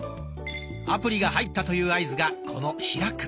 アプリが入ったという合図がこの「開く」。